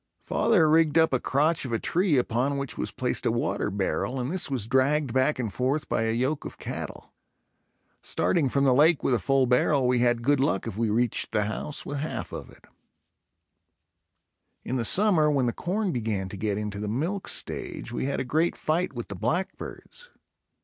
Father rigged up a crotch of a tree upon which was placed a water barrel and this was dragged back and forth by a yoke of cattle. Starting from the lake with a full barrel we had good luck if we reached the house with half of it. In the summer when the corn began to get into the milk stage, we had a great fight with the blackbirds.